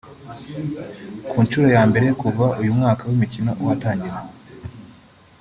Ku nshuro ya mbere kuva uyu mwaka w’imikino watangira